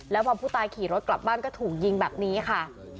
แล้วพอผู้ตายขี่รถกลับบ้านก็ถูกยิงแบบนี้ค่ะ